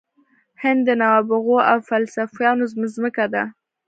هند د نوابغو او فیلسوفانو مځکه ده.